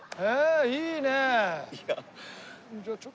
いいねえ。